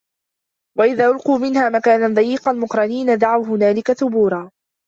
وَإِذَا أُلْقُوا مِنْهَا مَكَانًا ضَيِّقًا مُقَرَّنِينَ دَعَوْا هُنَالِكَ ثُبُورًا